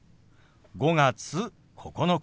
「５月９日」。